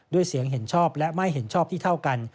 ด้วยเสียงเห็นชอบและไม่เห็นชอบที่เท่ากัน